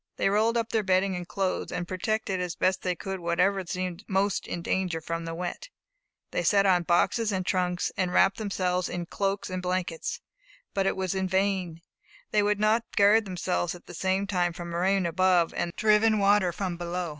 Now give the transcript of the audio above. They rolled up their bedding and clothes, and protected as best they could whatever seemed most in danger from the wet. They sat on boxes and trunks, and wrapped themselves in cloaks and blankets; but it was in vain; they could not guard themselves at the same time from the rain above and the driven water from below.